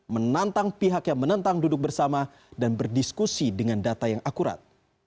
menantang pihak yang menentang duduk bersama dan berdiskusi dengan data yang akurat